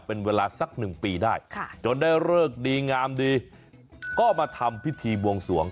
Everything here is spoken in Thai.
เป็นเวลาสัก๑ปีได้จนได้เลิกดีงามดีก็มาทำพิธีบวงสวง